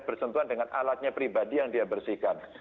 bersentuhan dengan alatnya pribadi yang dia bersihkan